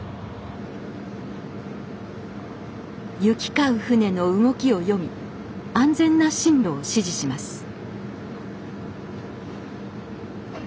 行き交う船の動きを読み安全な進路を指示します